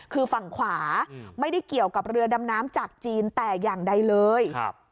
คือฝั่งขวาไม่ได้เกี่ยวกับเรือดำน้ำจากจีนแต่อย่างใดเลย